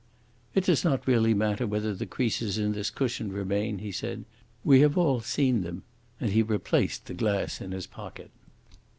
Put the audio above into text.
"It does not really matter whether the creases in this cushion remain," he said, "we have all seen them." And he replaced the glass in his pocket.